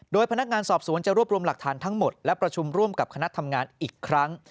โดยพนักงานสอบสวนจะรวบรวมหลักฐานทั้งหมดและประชุมร่วมกับคณะทำงานอีกครั้ง